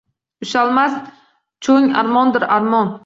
Ushalmas choʼng armondir, armon.